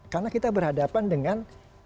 karena kita berhadapan dengan